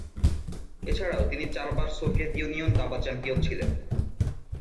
এছাড়াও তিনি চারবার সোভিয়েত ইউনিয়ন দাবা চ্যাম্পিয়ন ছিলেন।